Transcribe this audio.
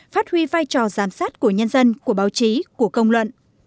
phát huy vai trò giám sát của nhân dân của báo chí của công luận